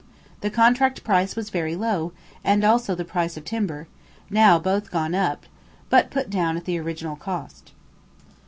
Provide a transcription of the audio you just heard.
The contract price was very low, and also the price of timber; now both gone up, but put down at the original cost.